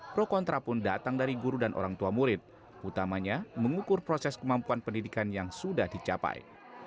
pro kontra pun datang dari guru dan orang tua murid utamanya mengukur proses kemampuan pendidikan yang sudah dicapai